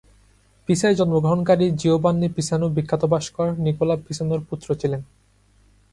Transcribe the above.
পিসায় জন্মগ্রহণকারী Giovanni Pisano বিখ্যাত ভাস্কর Nikola পিসানোর পুত্র ছিলেন।